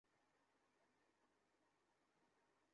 না নেচে থাকতে পারবে না।